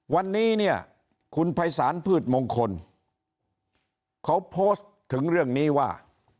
วันนี้เนี่ยคุณภัยศาลพืชมงคลเขาโพสต์ถึงเรื่องนี้ว่า